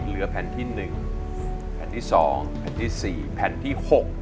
เหลือแผ่นที่๑แผ่นที่๒แผ่นที่๔แผ่นที่๖